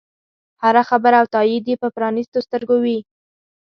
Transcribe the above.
هره خبره او تایید یې په پرانیستو سترګو وي.